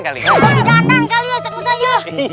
lebih dandan kali ya ustadz musa